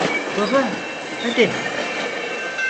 Baba, hadi.